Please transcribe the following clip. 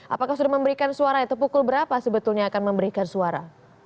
apakah sudah memberikan suara itu pukul berapa sebetulnya akan memberikan suara